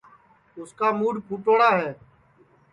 اُس کا موڈؔ پھوڑا ہے